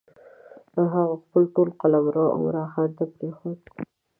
او هغه خپل ټول قلمرو عمرا خان ته پرېښود.